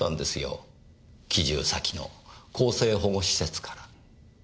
帰住先の更生保護施設から。